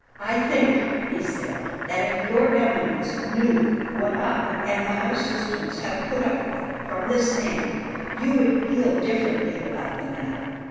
"I think," he said, "that if Your Eminence knew what I and my assistants have put up with from this man you would feel differently about the matter.